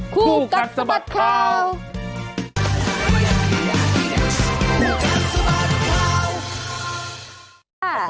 คู่กัดสะบัดข่าว